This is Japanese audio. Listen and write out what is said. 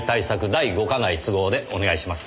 第五課内都合」でお願いします。